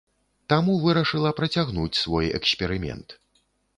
Таму вырашыла працягнуць свой эксперымент.